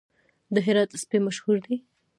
د هرات سپي مشهور دي